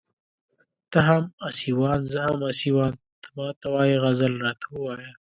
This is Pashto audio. ته هم اسيوان زه هم اسيوان ته ما ته وايې غزل راته ووايه